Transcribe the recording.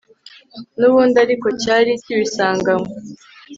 n'ubundi ariko cyari kibisanganywe